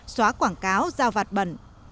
xóa quảng cáo giao vạt bẩn